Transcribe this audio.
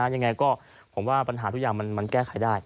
ยังไงก็ผมว่าปัญหาทุกอย่างมันแก้ไขได้